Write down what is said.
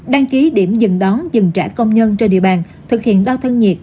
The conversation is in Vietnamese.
đăng ký điểm dừng đón dừng trả công nhân trên địa bàn thực hiện đo thân nhiệt